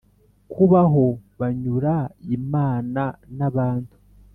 kubaho banyura imana n’abantu